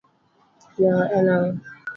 Yawa en ang’o?